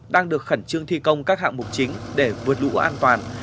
đang được khẩn trương thi công các hạng mục chính để vượt lũ an toàn